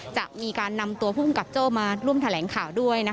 จะมีการนำตัวผู้กำกับโจ้มาร่วมแถลงข่าวด้วย